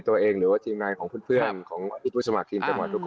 แต่ในตัวเองหรือว่าจีมนายของเพื่อนของอาธิบาปสมศมกรมวัติภาพทุกคน